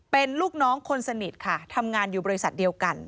เป็นลูกน้องคนสนิทค่ะทำงานอยู่บริษัทเดียวกัน